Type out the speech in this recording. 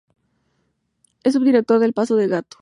Es subdirector de "Paso de gato.